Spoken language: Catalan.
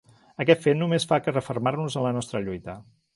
Aquest fet només fa que refermar-nos en la nostra lluita.